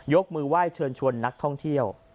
มือไหว้เชิญชวนนักท่องเที่ยว